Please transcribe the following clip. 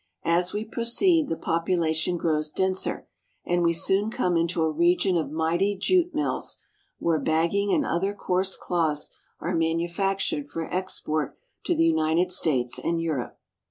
As we proceed the population grows denser, and we soon come into a region of mighty jute mills, where bagging and other coarse cloths are manufactured for export to the United States and Europe.